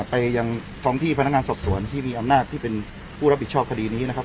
ไปยังท้องที่พนักงานสอบสวนที่มีอำนาจที่เป็นผู้รับผิดชอบคดีนี้นะครับ